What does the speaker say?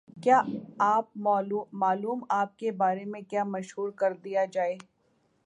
کیا معلوم آپ کے بارے میں کیا مشہور کر دیا جائے؟